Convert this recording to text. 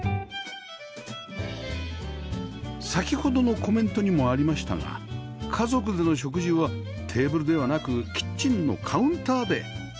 先ほどのコメントにもありましたが家族での食事はテーブルではなくキッチンのカウンターで